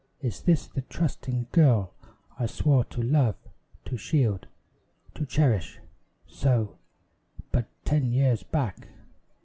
is this the trusting girl I swore to love, to shield, to cherish so But ten years back?